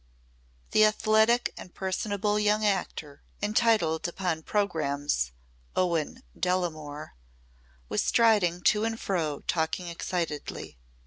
The athletic and personable young actor entitled upon programmes Owen Delamore was striding to and fro talking excitedly.